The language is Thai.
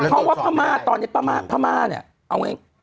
เพราะว่าพม่าตอนนี้พม่าเนี่ย